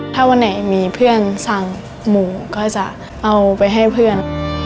ถ้าวันไหนมีเพื่อนสั่งหมูก็จะเอาไปให้เพื่อน